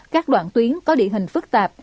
các đoạn tuyến có địa hình phức tạp